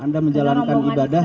anda menjalankan ibadah